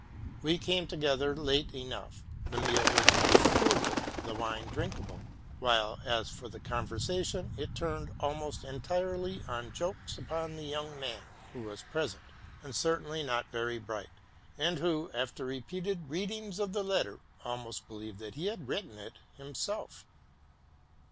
We came together late enough, the meal was most frugal, the wine drinkable ; while, as for the conversation, it turned almost entirely on jokes upon the young man, who was pres ent, and certainly not very bright, and who, after repeated readings of the letter, almost believed that he had written it himself.